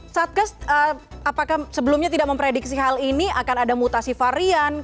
satgas apakah sebelumnya tidak memprediksi hal ini akan ada mutasi varian